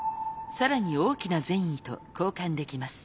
更に大きな善意と交換できます。